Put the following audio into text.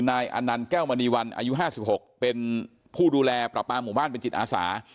อันนั้นแก้วมณีวันอายุ๕๖เป็นผู้ดูแลประปาหมู่บ้านเป็นจิตอาสา